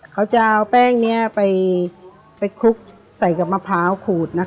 เขาจะเอาแป้งนี้ไปคลุกใส่กับมะพร้าวขูดนะคะ